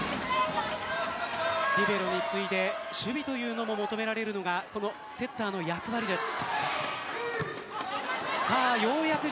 リベロに次いで守備というのも求められるのがセッターの役割です。